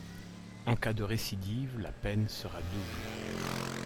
En cas de récidive, la peine sera double.